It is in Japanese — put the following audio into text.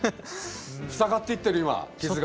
塞がっていってる今傷が。